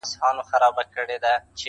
• کور مي د بلا په لاس کي وليدی.